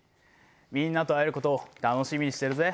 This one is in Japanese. みんなと会えることを楽しみにしてるぜ。